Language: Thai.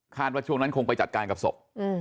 ว่าช่วงนั้นคงไปจัดการกับศพ